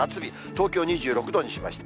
東京２６度にしました。